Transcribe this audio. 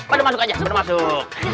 pada masuk aja baru masuk